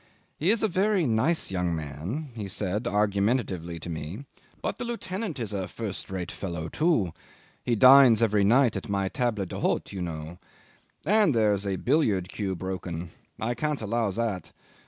"He is a very nice young man," he said argumentatively to me, "but the lieutenant is a first rate fellow too. He dines every night at my table d'hote, you know. And there's a billiard cue broken. I can't allow that.